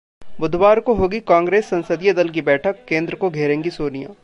बुधवार को होगी कांग्रेस संसदीय दल की बैठक, केंद्र को घेरेंगी सोनिया